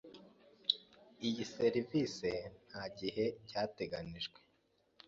Iyi serivisi ntagihe cyateganijwe.